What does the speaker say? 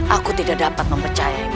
aku tidak dapat mempercayainya